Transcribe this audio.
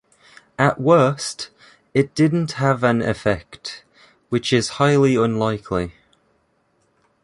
At worst, it didn't have an effect, which is highly unlikely.